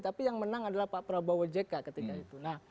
tapi yang menang adalah pak prabowo jk ketika itu